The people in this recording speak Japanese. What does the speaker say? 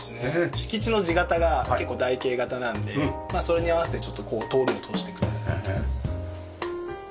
敷地の地形が結構台形形なのでまあそれに合わせてこう通りを通していくという。